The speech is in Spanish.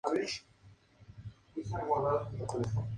Durante su mandato se inició la reforma interior de Barcelona.